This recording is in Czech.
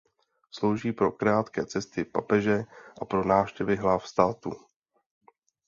Slouží pro krátké cesty papeže a pro návštěvy hlav států.